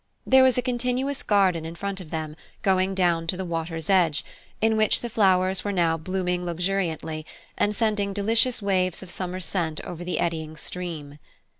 There was a continuous garden in front of them, going down to the water's edge, in which the flowers were now blooming luxuriantly, and sending delicious waves of summer scent over the eddying stream.